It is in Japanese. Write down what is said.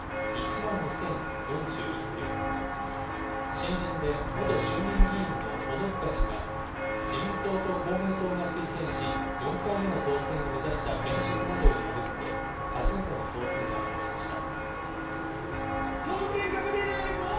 新人で元衆議院議員の小野塚氏が、自民党と公明党が推薦し、４回目の当選を目指した現職などを破って初めての当選を果たしました。